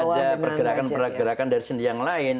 tidak ada pergerakan pergerakan dari sini yang lain